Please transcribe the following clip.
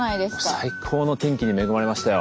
最高の天気に恵まれましたよ。